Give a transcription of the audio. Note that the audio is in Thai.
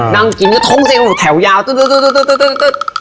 นั่งกินจะทงสิแถวยาวตุ๊ด